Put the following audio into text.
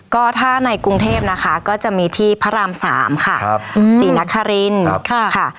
ก็ถ้าในกรุงเทพนะคะก็จะมีที่พระราม๓ค่ะศรีนครินค่ะ